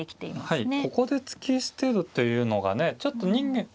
はいここで突き捨てるというのがねちょっと人間